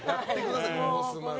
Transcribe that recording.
「ゴゴスマ」で。